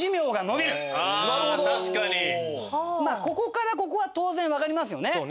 ここからここは当然わかりますよね。